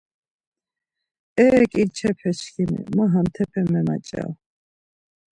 E ǩinçepe çkimi ma hantepe memanç̌aru.